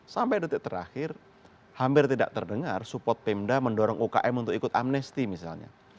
sampai detik terakhir hampir tidak terdengar support pemda mendorong ukm untuk ikut amnesty misalnya